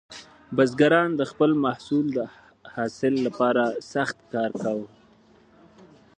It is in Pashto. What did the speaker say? بزګران د خپل محصول د حاصل لپاره سخت کار کاوه.